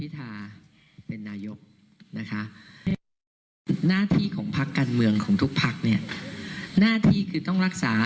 ทุกพักการเมืองต้องปกป้อง